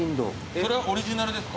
それはオリジナルですか？